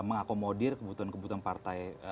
nakomodir kebutuhan kebutuhan partai